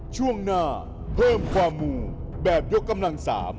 ช่วงหน้าเพิ่มความมูแบบยกกำลัง๓